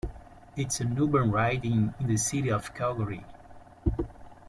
It is an urban riding in the city of Calgary.